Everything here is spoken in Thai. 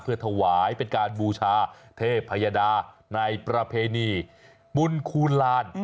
เพื่อถวายเป็นการบูชาเทพยดาในประเพณีบุญคูณลาน